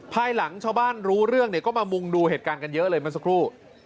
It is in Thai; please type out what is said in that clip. ภายหลังชาวบ้านรู้เรื่องเนี่ยก็มามุงดูเหตุการณ์กันเยอะเลยเมื่อสักครู่